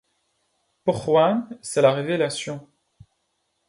Pour Juan c'est la révélation.